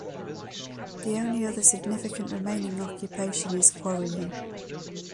The only other significant remaining occupation is quarrying.